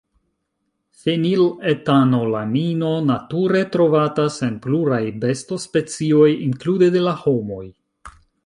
Fenil-etanolamino nature trovatas en pluraj besto-specioj, inklude de la homoj.